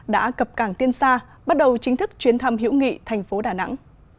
đã cập cảng tiên sa bắt đầu chính thức chuyến thăm hiểu nghị thành phố đà nẵng